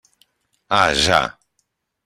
Ah, ja.